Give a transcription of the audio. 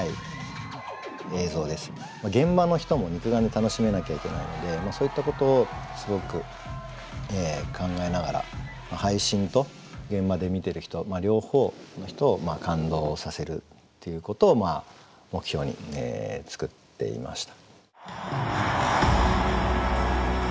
現場の人も肉眼で楽しめなきゃいけないのでそういったことをすごく考えながら配信と現場で見てる人両方の人を感動させるっていうことを目標に作っていました。